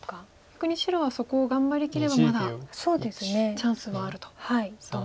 逆に白はそこを頑張りきればまだチャンスはあると。